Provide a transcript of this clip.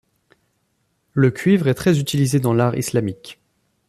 Le cuivre est très utilisé dans l'art islamique.